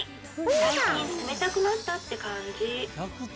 最近冷たくなったって感じ。